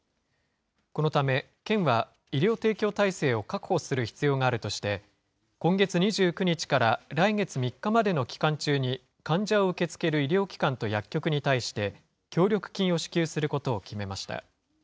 このため、県は医療提供体制を確保する必要があるとして、今月２９日から来月３日までの期間中に患者を受け付ける医療機関と薬局に対して、協力金を支給することを決めました。